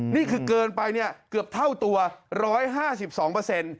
นี่คือเกินไปเนี่ยเกือบเท่าตัว๑๕๒เปอร์เซ็นต์